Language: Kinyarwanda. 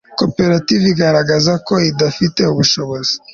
koperative igaragaza ko idafite ubushobozi